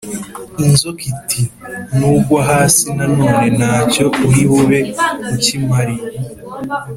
inzoka iti «nugwa hasi nanone nta cyo uri bube ukimariye